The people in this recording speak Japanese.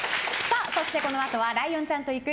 このあとはライオンちゃんと行く！